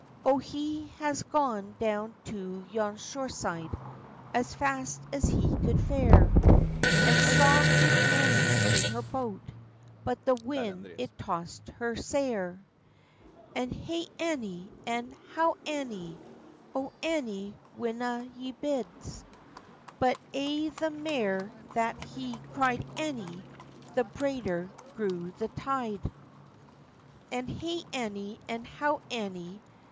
O he has gone down to yon shore side, As fast as he could fare; He saw Fair Annie in her boat, But the wind it tossd her sair. And "Hey, Annie!" and "How, Annie! O Annie, winna ye bide?" But ay the mair that he cried "Annie," The braider grew the tide. And "Hey, Annie!" and "How, Annie!